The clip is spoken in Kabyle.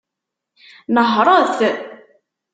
Nehṛet!